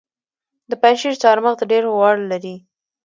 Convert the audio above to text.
د پنجشیر چهارمغز ډیر غوړ لري.